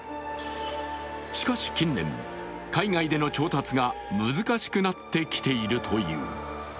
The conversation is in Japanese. しかし近年、海外での調達が難しくなってきているという。